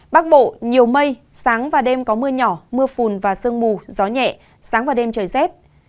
bắc bộ nhiều mây sáng và đêm có mưa nhỏ mưa phùn và sương mù gió nhẹ sáng và đêm trời rét